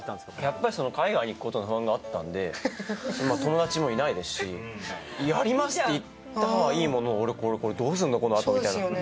やっぱり海外に行くことの不安があったので友達もいないですしやりますって言ったはいいものの俺、これどうするのこのあとみたいな。